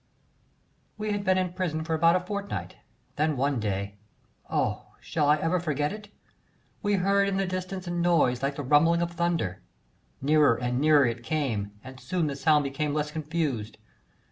We had been in prison for about a fortnight, then one day oh! shall I ever forget it? we heard in the distance a noise like the rumbling of thunder; nearer and nearer it came, and soon the sound became less confused.